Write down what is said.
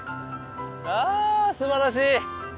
あすばらしい。